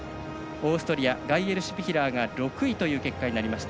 オーストリアガイエルシュピヒラーが６位という結果になりました。